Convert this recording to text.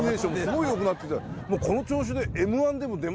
もうこの調子で。